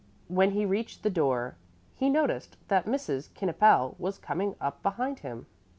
When he reached the front door he noticed that Mrs. Knippel was coming up behind him.